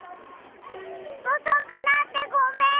おそくなってごめん！